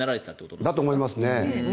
だと思いますね。